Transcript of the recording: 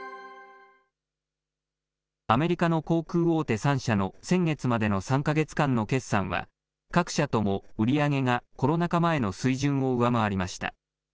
アメリカの航空大手３社の先月までの３か月間の決算は、各社とも売り上げがコロナ禍前の水準を上回りました。